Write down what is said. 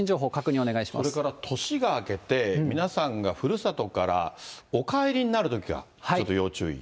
お願それから年が明けて、皆さんがふるさとからお帰りになるときが、ちょっと要注意？